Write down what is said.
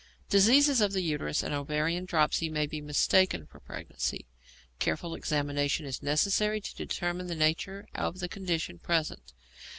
Disease of the uterus and ovarian dropsy may be mistaken for pregnancy. Careful examination is necessary to determine the nature of the condition present.